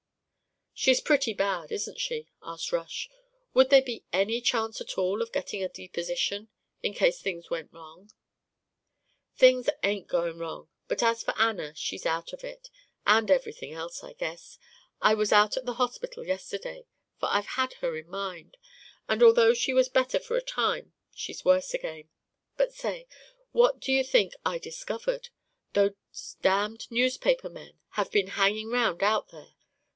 "She's pretty bad, isn't she?" asked Rush. "Would there be any chance at all of getting a deposition in case things went wrong?" "Things ain't goin' wrong; but as for Anna, she's out of it, and everything else, I guess. I was out to the hospital yesterday, for I've had her in mind; but although she was better for a time, she's worse again. But say what do you think I discovered? Those damned newspaper men have been hangin' round out there.